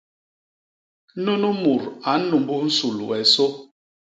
Nunu mut a nnumbus nsul wee sô.